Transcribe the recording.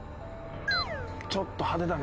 「ちょっと派手だな。